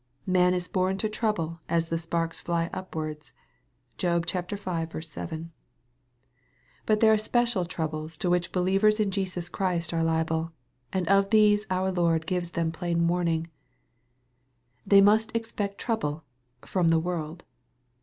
" Man is born to trouble as the eparks fly upwards " (Job v. 7 ) But there are special 278 EXPOSITORY THOUGHTS. troubles to which believers in Jesus Christ are Jable, and of these our Lord gives them plain warning. They must expect trouble from the world.